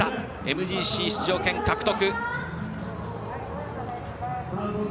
ＭＧＣ出場権獲得。